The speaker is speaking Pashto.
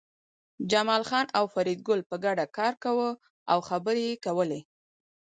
جمال خان او فریدګل په ګډه کار کاوه او خبرې یې کولې